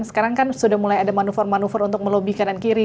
sekarang kan sudah mulai ada manuver manuver untuk melobi kanan kiri